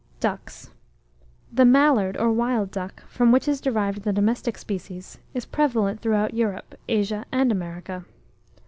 DUCKS. The Mallard, or Wild Duck, from which is derived the domestic species, is prevalent throughout Europe, Asia, and America.